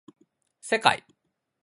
せかい